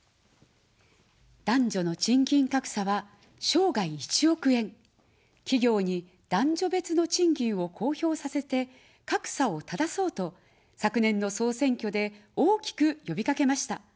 男女の賃金格差は生涯１億円、企業に男女別の賃金を公表させて、格差をただそうと昨年の総選挙で大きくよびかけました。